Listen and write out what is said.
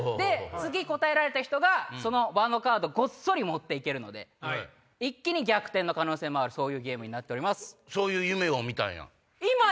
次答えられた人が場のカードごっそり持って行けるので一気に逆転の可能性もあるそういうゲームになっております。